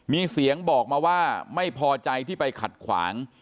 มีเสียงบอกมาว่าไม่พอใจที่ไปขัดขวาง